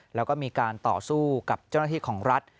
แล้วก็มีการต่อสู้กับเจ้าหน้าที่ของรัฐ